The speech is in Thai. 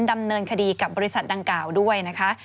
ดำเนินคดีกับบริษัทดังกล่าวด้วยนะคะ